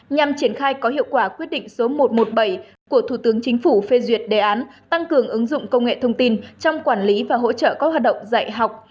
nhằm triển khai có hiệu quả quyết định số một trăm một mươi bảy của thủ tướng chính phủ phê duyệt đề án tăng cường ứng dụng công nghệ thông tin trong quản lý và hỗ trợ các hoạt động dạy học